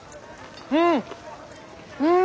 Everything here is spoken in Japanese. うん！